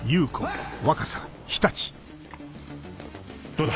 どうだ？